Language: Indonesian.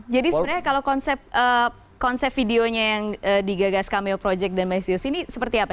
jadi sebenarnya kalau konsep videonya yang digagas cameo project dan maestrius ini seperti apa